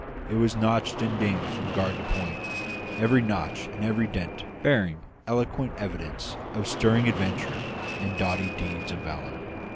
It was notched and dinted from guard to point, every notch and every dint bearing eloquent evidence of stirring adventure and doughty deeds of valour.